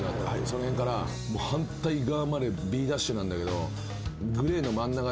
その辺から反対側までＢダッシュなんだけど。